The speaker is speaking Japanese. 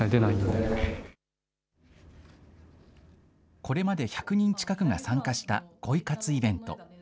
これまで１００人近くが参加した恋活イベント。